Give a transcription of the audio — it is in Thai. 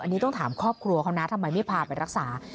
อันนี้ต้องถามครอบครัวเขานะทำไมไม่พาไปรักษา